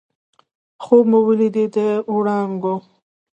خوب مې ولیدی د وړانګو